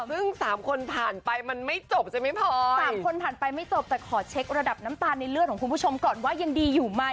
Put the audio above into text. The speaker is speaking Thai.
ซึ่ง๓คนผ่านไปมันไม่จบใช่ไหมพอ๓คนผ่านไปไม่จบแต่ขอเช็คระดับน้ำตาลในเลือดของคุณผู้ชมก่อนว่ายังดีอยู่ไหม